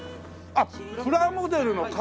あっプラモデルの型？